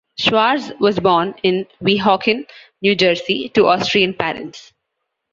Schwarz was born in Weehawken, New Jersey, to Austrian parents.